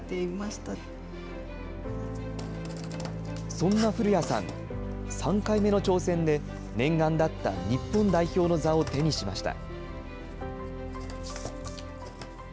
そんな古屋さん、３回目の挑戦で念願だった日本代表の座を手にしました。